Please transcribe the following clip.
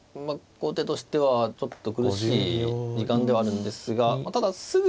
後手としてはちょっと苦しい時間ではあるんですがただすぐ。